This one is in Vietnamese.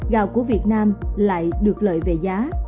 gạo của việt nam lại được lợi về giá